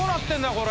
これ。